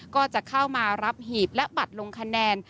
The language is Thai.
ก็จะเข้ามารับหีบและบัตรลงคะแนน